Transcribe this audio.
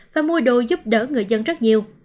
và mua đồ giúp đỡ người dân rất nhiều